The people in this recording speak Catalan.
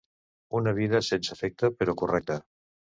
Una vida sense afecte però correcta.